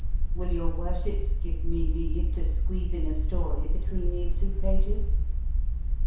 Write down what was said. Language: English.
Will your worships give me leave to squeeze in a story between these two pages?